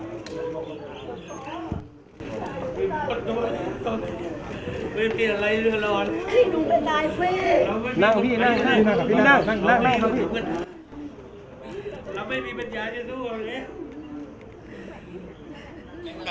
เมื่อเวลาเมื่อเวลา